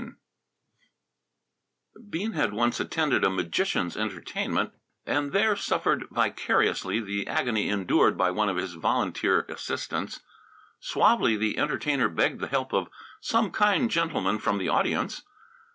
VII Bean had once attended a magician's entertainment and there suffered vicariously the agony endured by one of his volunteer assistants. Suavely the entertainer begged the help of "some kind gentleman from the audience."